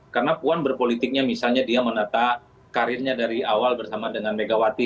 karena puan berpolitiknya misalnya dia menata karirnya dari awal bersama dengan megawati